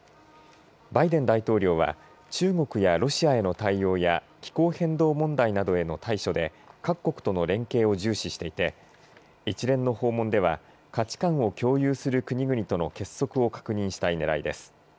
バイデン大統領は中国やロシアへの対応や気候変動問題などへの対処で各国との連携を重視していて一連の訪問では価値観を共有する国々との結束を確認したいねらいです。